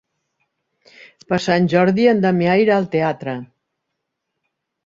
Per Sant Jordi en Damià irà al teatre.